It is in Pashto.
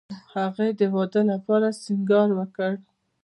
هغې د واده لپاره سینګار وکړ